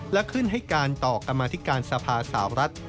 และขึ้นให้การต่อกรรมาธิการสภาสาวรัฐ